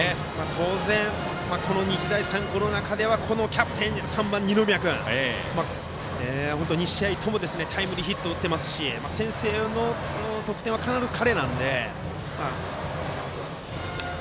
当然この日大三高の中ではキャプテンの３番、二宮君、２試合ともタイムリーヒットを打っていますし先制の得点は必ず彼なので。